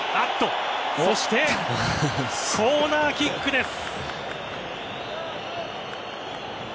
そしてコーナーキックです。